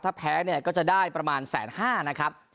ถ้าแพ้เนี่ยก็จะได้ประมาณ๑๕๐๐นะครับ